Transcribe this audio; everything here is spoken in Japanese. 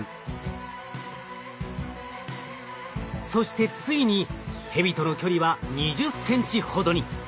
そしてついにヘビとの距離は２０ｃｍほどに。